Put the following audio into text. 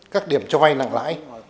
các điểm cho vai nặng lãi